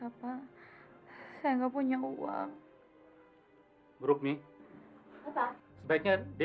api sini aku nggak mau padamu lagi ya allah